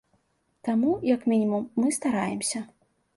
Таму, як мінімум, мы стараемся.